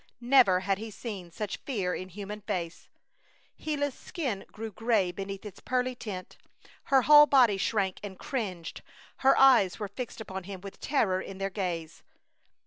Never had he seen such fear in human face. Gila's skin grew gray beneath its pearly tint, her whole body shrank and cringed, her eyes were fixed upon him with terror in their gaze.